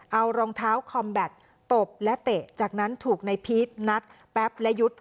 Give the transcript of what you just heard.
เอารองเท้าคอมแบตตบและเตะจากนั้นถูกในพีชนัดแป๊บและยุทธ์